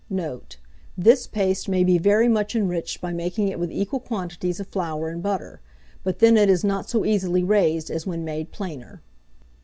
Note. This paste may be very much enriched by making it with equal quantities of flour and butter; but then it is not so easily raised as when made plainer.